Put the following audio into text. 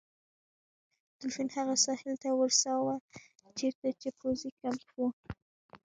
دولفین هغه ساحل ته ورساوه چیرته چې پوځي کمپ و.